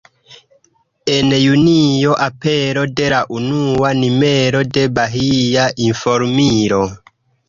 En Junio apero de la unua numero de “Bahia Informilo”.